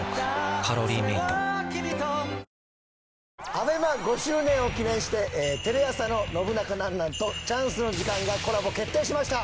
ＡＢＥＭＡ５周年を記念してテレ朝の『ノブナカなんなん？』と『チャンスの時間』がコラボ決定しました！